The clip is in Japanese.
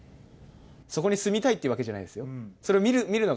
そこに住みたいってわけじゃないですよ。